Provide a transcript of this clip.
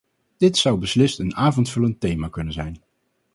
Dit zou beslist een avondvullend thema kunnen zijn.